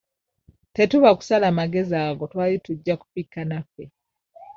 Tetuba kusala magezi ago twali tujja kufikka naffe.